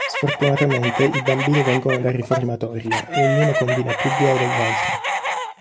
Sfortunatamente, i bambini vengono dal riformatorio, e ognuno combina più guai dell'altro.